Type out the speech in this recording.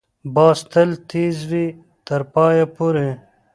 باز تل تېز وي، تر پایه پورې